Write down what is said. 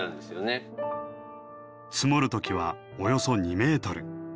積もる時はおよそ２メートル。